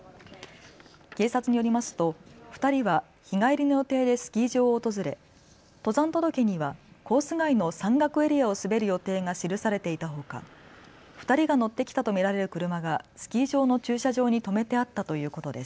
警察によりますと２人は日帰りの予定でスキー場を訪れ登山届にはコース外の山岳エリアを滑る予定が記されていたほか、２人が乗ってきたと見られる車がスキー場の駐車場に止めてあったということです。